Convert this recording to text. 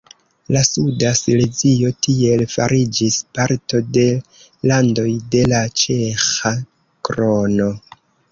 La suda Silezio tiel fariĝis parto de landoj de la ĉeĥa krono.